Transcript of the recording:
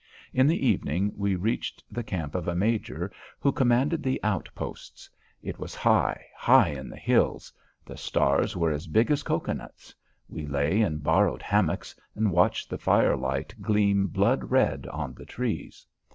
In the evening we reached the camp of a major who commanded the outposts. It was high, high in the hills. The stars were as big as cocoanuts. We lay in borrowed hammocks and watched the firelight gleam blood red on the trees.